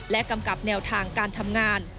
กำกับแนวทางการทำงาน